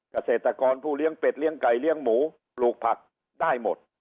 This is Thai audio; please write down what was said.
เกษตรกรผู้เลี้ยงเป็ดเลี้ยงไก่เลี้ยงหมูปลูกผักได้หมด